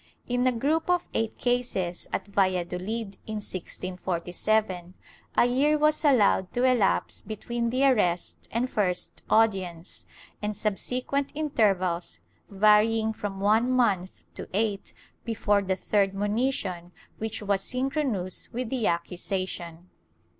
In a group of eight cases at Valladolid, in 1647, a year was allowed to elapse between the arrest and first audience, and subsequent intervals, var)dng from one month to eight, before the third moni tion which was synchronous with the accusation.